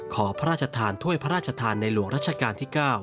ขอพระราชทานถ้วยพระราชทานในหลวงรัชกาลที่๙